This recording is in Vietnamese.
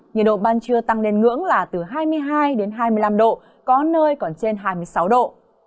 nhiệt độ ban trưa tăng lên ngưỡng là từ hai mươi hai đến hai mươi năm độ có nơi còn trên hai mươi sáu độ